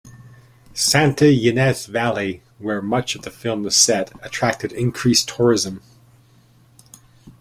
Santa Ynez Valley, where much of the film is set, attracted increased tourism.